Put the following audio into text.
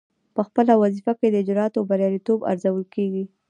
پخپله وظیفه کې د اجرااتو بریالیتوب ارزول کیږي.